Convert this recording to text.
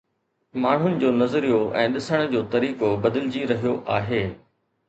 ماڻهن جو نظريو ۽ ڏسڻ جو طريقو بدلجي رهيو آهي.